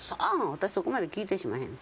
私そこまで聞いてしません。